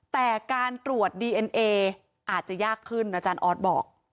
แต่การตรวจดีเอ็นเออาจจะยากขึ้นอาจารย์ออสบอก